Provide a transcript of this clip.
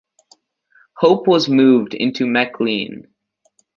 Hope was moved into McLean.